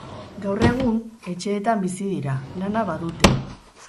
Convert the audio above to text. Gaur egun etxeetan bizi dira, lana badute.